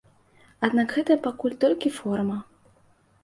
Аднак гэта пакуль толькі форма.